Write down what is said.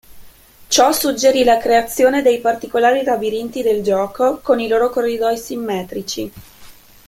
Ciò suggerì la creazione dei particolari labirinti del gioco con i loro corridoi simmetrici.